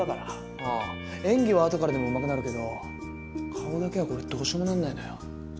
ああ演技は後からでもうまくなるけど顔だけはこれどうしようもなんないのよ。